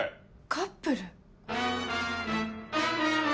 カップル？